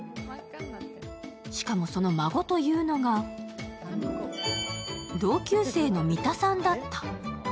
しかもその孫というのが同級生の三田さんだった。